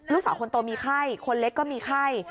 ลูกสาวคนโตมีไข้คนเล็กก็มีไข้